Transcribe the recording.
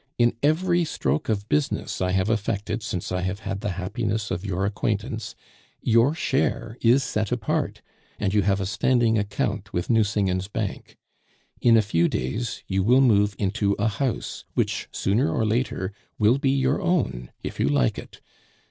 In every stroke of business I have effected since I have had the happiness of your acquaintance, your share is set apart, and you have a standing account with Nucingen's bank. In a few days you will move into a house, which sooner or later, will be your own if you like it.